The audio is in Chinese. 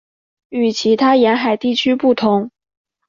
与其他沿海地区不同。